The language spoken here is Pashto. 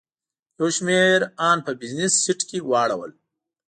یو شمېر ان په بزنس سیټ کې واړول.